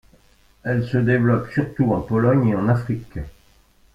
Elle se développe surtout en Pologne et en Afrique.